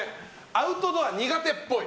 アウトドア苦手っぽい。